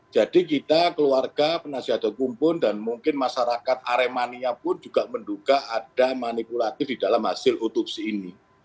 kita keluarga penasihat hukum pun dan mungkin masyarakat aremania pun juga menduga ada manipulatif di dalam hasil otopsi ini